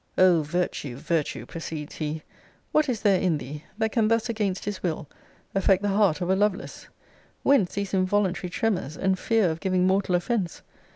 O virtue, virtue! proceeds he, what is there in thee, that can thus against his will affect the heart of a Lovelace! Whence these involuntary tremors, and fear of giving mortal offence?